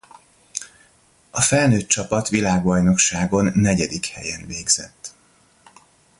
A felnőtt csapat világbajnokságon negyedik helyen végzett.